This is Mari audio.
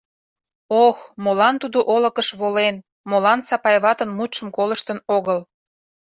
Ох, молан тудо олыкыш волен, молан Сапай ватын мутшым колыштын огыл!